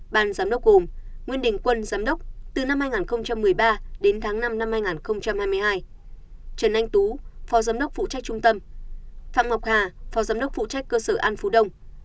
ban giám đốc gồm nguyễn đình quân giám đốc từ năm hai nghìn một mươi ba đến tháng năm năm hai nghìn hai mươi hai trần anh tú phó giám đốc phụ trách trung tâm phạm ngọc hà phó giám đốc phụ trách cơ sở an phú đông